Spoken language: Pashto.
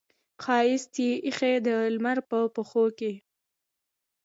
ښایست یې ایښې د لمر په پښو کې